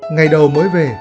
ngày đầu mới về